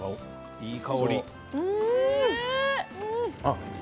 いい香り。